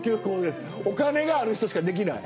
お金がある人しかできない。